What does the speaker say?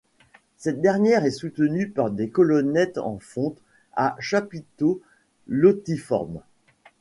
Cette dernière est soutenue par des colonnettes en fonte à chapiteaux lotiformes.